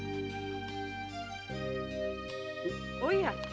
おや。